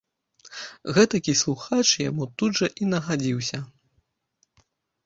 Гэтакі слухач яму тут жа і нагадзіўся.